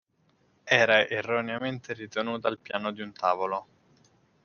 Era erroneamente ritenuta il piano di un tavolo.